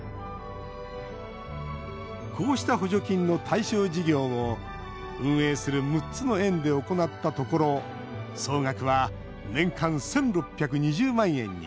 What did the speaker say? こうした補助金の対象事業を運営する６つの園で行ったところ総額は年間１６２０万円に。